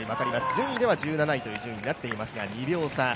順位では１７位という順位になってますが、２秒差。